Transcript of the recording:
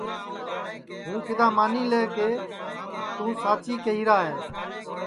ہوں کِدؔا مانی لے کہ توں ساچی کیہرا ہے